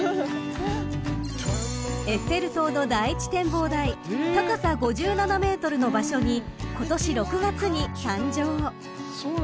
［エッフェル塔の第１展望台高さ５７ｍの場所にことし６月に誕生］